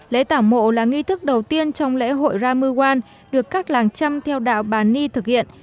lễ tảo mộ là nghi thức đầu tiên trong lễ hội ramuwan được các làng trăm theo đạo bà ni thực hiện